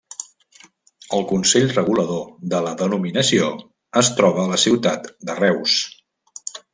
El consell regulador de la denominació es troba a la ciutat de Reus.